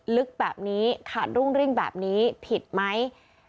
ลึกแบบนี้ขาดรุ่งริ่งแบบนี้ผิดไหม